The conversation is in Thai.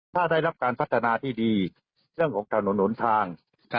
ถ้าได้รับการพัฒนาที่ดีเรื่องของถนนหนทาง